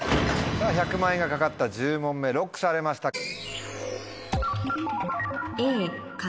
１００万円が懸かった１０問目ＬＯＣＫされました。